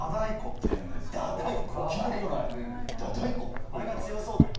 名前が強そうだもん。